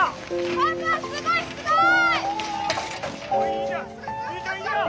パパすごいすごい！